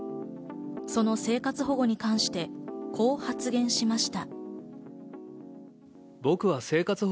その生活保護に関して、こう発言しました。